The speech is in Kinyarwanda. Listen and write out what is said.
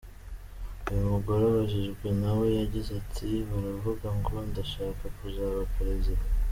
Uyu mugore abibajijwe nawe yagize ati: “Baravuga ngo ndashaka kuzaba Perezida.